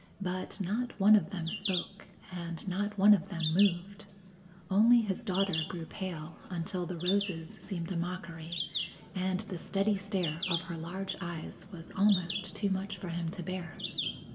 But not one of them spoke, and not one of them moved; only his daughter grew pale until the roses seemed a mockery, and the steady stare of her large eyes was almost too much for him to bear.